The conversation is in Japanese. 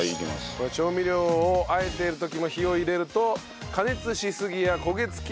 これ調味料を和えている時も火を入れると加熱しすぎや焦げつきを招くと。